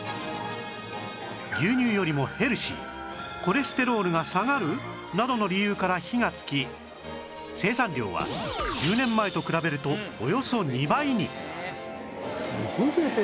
牛乳よりもヘルシーコレステロールが下がる！？などの理由から火がつき生産量は１０年前と比べるとおよそ２倍に！